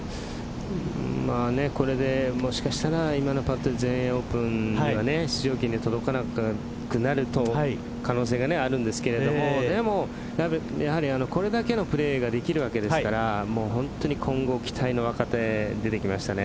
これでもしかしたら今のパットで全英オープンの出場権に届かなくなると可能性があるんですけどやはりこれだけのプレーができるわけですから本当に今後期待の若手出てきましたね。